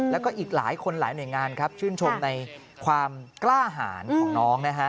แล้วก็อีกหลายคุณหลายหน่วยงานชื่นชมในความกล้าหาลของน้อง